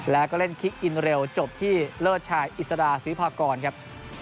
แล้วก็เล่นคิกอินเร็วจบที่เลิศชายอิสราศิพากรครับ